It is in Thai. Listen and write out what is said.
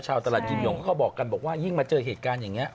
ชาวตลาดจินฮิวเขาบอกกันยิ่งมาเจอเหตุการณ์อย่างนี้